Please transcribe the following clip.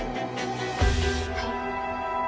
はい。